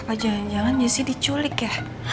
apa jangan jangan jessy diculik ya